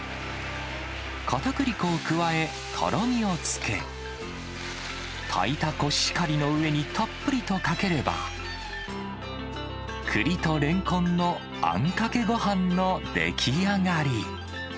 かたくり粉を加え、とろみをつけ、炊いたコシヒカリの上にたっぷりとかければ、クリとレンコンのあんかけごはんの出来上がり。